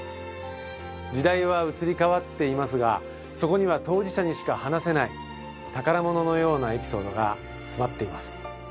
時代は移り変わっていますがそこには当事者にしか話せない宝物のようなエピソードが詰まっています。